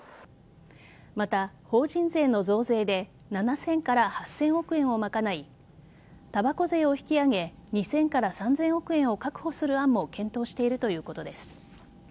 また、法人税の増税で７０００から８０００億円を賄いたばこ税を引き上げ２０００から３０００億円を確保する案を検討しているということです。